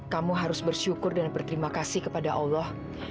kamu harus bersyukur dan berterima kasih kepada allah